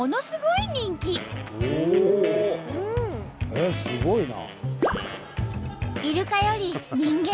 えっすごいな！